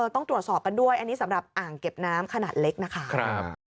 ต้องตรวจสอบกันด้วยอันนี้สำหรับอ่างเก็บน้ำขนาดเล็กนะคะ